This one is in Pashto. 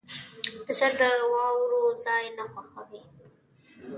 پسه د واورو ځای نه خوښوي.